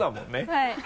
はい。